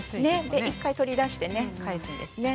で一回取り出してね返すんですね。